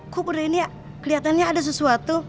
kok bu reni kelihatannya ada sesuatu